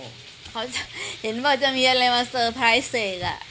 เขาจะเห็นว่าจะมีอะไรมาเซอร์ไพรส์เศษ